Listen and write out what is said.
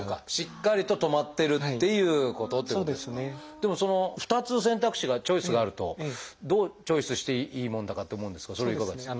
でもその２つ選択肢がチョイスがあるとどうチョイスしていいもんだかって思うんですがそれはいかがですか？